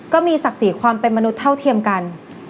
ก็มีศักดิ์ศรีความเป็นมนุษย์เท่าเทียมกัน